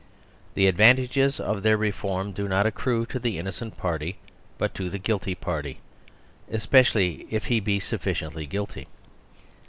The advan tages of their reform do not accrue to the in nocent party, but to the guilty party; espe cially if he be sufficiently guilty.